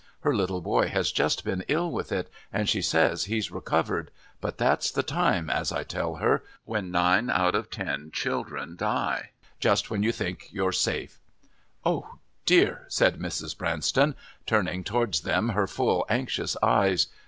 Her little boy has just been ill with it, and she says he's recovered; but that's the time, as I tell her, when nine out of ten children die just when you think you're safe." "Oh dear," said Mrs. Branston, turning towards them her full anxious eyes.